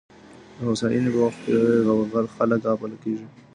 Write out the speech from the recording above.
د هوساینې په وخت کي خلګ غافله کیږي.